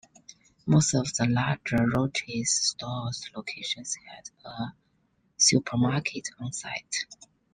Most of the larger Roches Stores locations had a supermarket on-site.